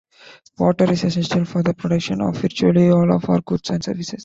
Water is essential for the production of virtually all of our goods and services.